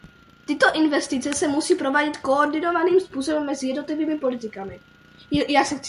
Tyto investice se musí provádět koordinovaným způsobem mezi jednotlivými politikami.